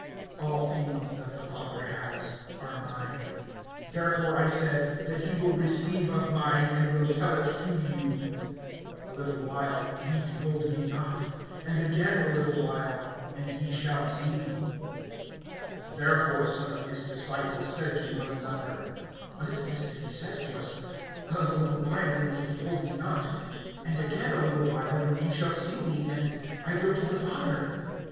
(15)All things that the Father has are mine. Therefore, I said, that he will receive of mine, and will tell it to you. (16)A little while, and ye behold me not; and again a little while, and ye shall see me. (17)Therefore some of his disciples said to one another: What is this that he says to us, A little while, and ye behold me not; and again a little while, and ye shall see me; and, I go to the Father?